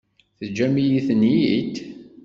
Teǧǧam-iyi-ten-id?